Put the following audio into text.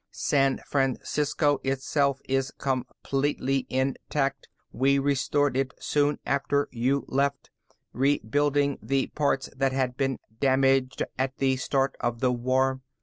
"San Francisco itself is completely intact. We restored it soon after you left, rebuilding the parts that had been damaged at the start of the war.